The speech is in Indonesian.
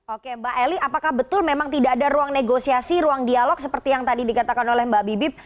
oke mbak eli apakah betul memang tidak ada ruang negosiasi ruang dialog seperti yang tadi dikatakan oleh mbak bibip